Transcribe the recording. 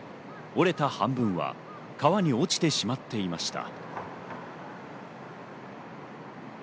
折れた半分は川に落ちてしまっていました。